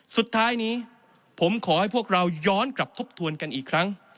สุดท้ายนี้ผมขอให้พวกเราย้อนกลับทบทวนกันอีกครั้ง